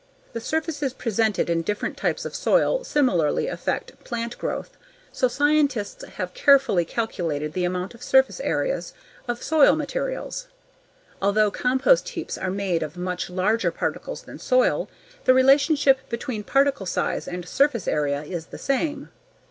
The surfaces presented in different types of soil similarly affect plant growth so scientists have carefully calculated the amount of surface areas of soil materials. Although compost heaps are made of much larger particles than soil, the relationship between particle size and surface area is the same.